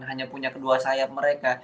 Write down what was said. hanya punya kedua sayap mereka